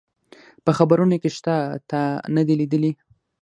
په خبرونو کي شته، تا نه دي لیدلي؟